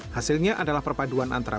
hasilnya adalah perpaduan antara